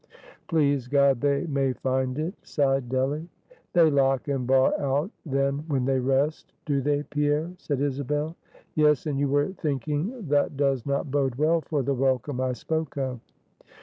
"Please God they may find it!" sighed Delly. "They lock and bar out, then, when they rest, do they, Pierre?" said Isabel. "Yes, and you were thinking that does not bode well for the welcome I spoke of."